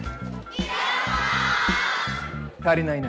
足りないな。